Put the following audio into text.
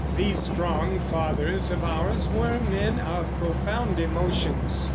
These strong fathers of ours were men of profound emotions.